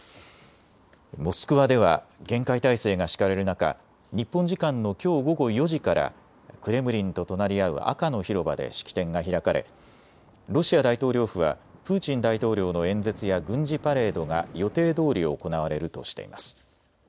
モスクワでは厳戒態勢が敷かれる中、日本時間のきょう午後４時からクレムリンと隣り合う赤の広場で式典が開かれロシア大統領府はプーチン大統領の演説や軍事パレードが予定どおり行われるとしています。